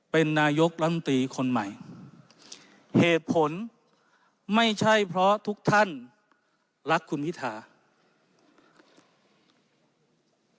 เป็นนายกรัมตีคนใหม่เหตุผลไม่ใช่เพราะทุกท่านรักคุณพิธาริมเจริญรัตน์